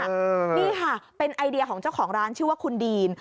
นี่ค่ะเป็นไอเดียของเจ้าของร้านชื่อว่าคุณดีน